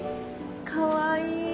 かわいい。